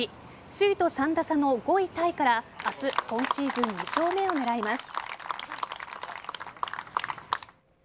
首位と３打差の５位タイから明日、今シーズン２勝目を狙います。